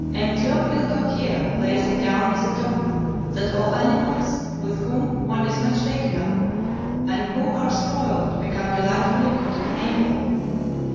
[M. Théophile Gautier lays it down as a dogma that all animals with whom one is much taken up, and who are 'spoiled,' become delightfully good and amiable.